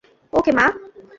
ওকে, মা।